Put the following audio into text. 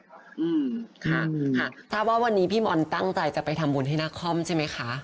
อืมค่ะทราบว่าวันนี้พี่บอลตั้งใจจะไปทำบุญให้นาคอมใช่ไหมคะ